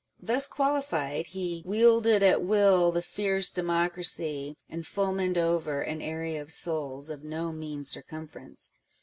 Thus qualified, he " wielded at will the fierce democracy, and fulmin'd over" an area of souls, of no mean circumference.